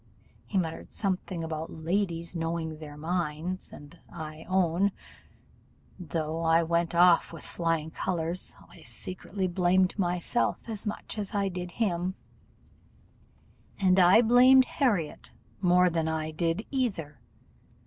He muttered something about ladies knowing their minds; and I own, though I went off with flying colours, I secretly blamed myself as much as I did him, and I blamed Harriot more than I did either.